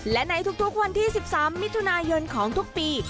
และในทุกวันที่๑๓มิถุนายนของทุกปี